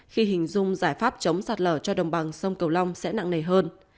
khi hình dung giải pháp chống sạt lở cho đồng bằng sông cửu long sẽ nặng nề hơn